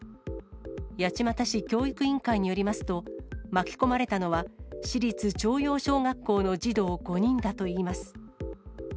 八街市教育委員会によりますと、巻き込まれたのは、市立朝陽小学校の児童５人だといいます。